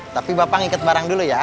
tapi bapak ngikut bareng dulu ya